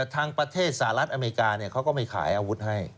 ทางประเทศสหรัฐอเมริกาเขาก็ไม่ขายอาวุธให้